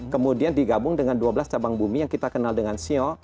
kemudian digabung dengan dua belas cabang bumi yang kita kenal dengan sio